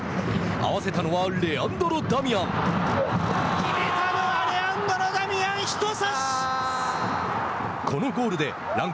合わせたのはレアンドロ・ダミアン。